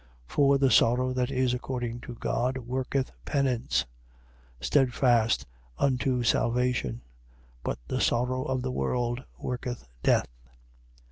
7:10. For the sorrow that is according to God worketh penance, steadfast unto salvation: but the sorrow of the world worketh death.